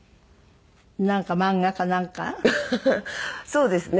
そうですね。